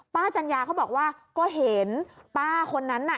จัญญาเขาบอกว่าก็เห็นป้าคนนั้นน่ะ